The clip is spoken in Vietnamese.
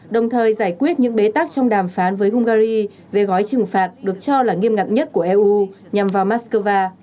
đồng thời giải quyết những bế tắc trong đàm phán với hungary về gói trừng phạt được cho là nghiêm ngặt nhất của eu nhằm vào moscow